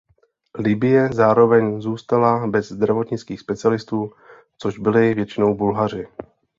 Libye zároveň zůstala bez zdravotnických specialistů, což byli většinou Bulhaři.